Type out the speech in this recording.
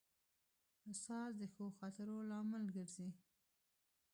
استاد د ښو خاطرو لامل ګرځي.